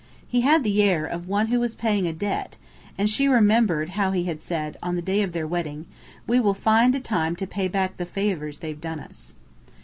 He had the air of one who was paying a debt; and she remembered how he had said, on the day of their wedding: "We will find a time to pay back the favours they've done us."